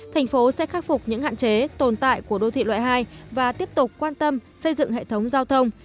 thành phố sẽ khắc phục những hạn chế tồn tại của đô thị loại hai và tiếp tục quan tâm xây dựng hệ thống giao thông